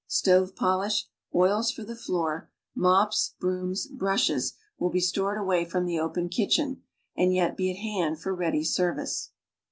Stove polish, oils for the floor, mops, brooms, brushes will be stored away from the open kitchen, and yet be at hand for ready service.